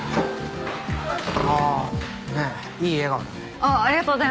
ああねえいい笑顔だね。